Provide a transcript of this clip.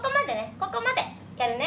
ここまでやるね。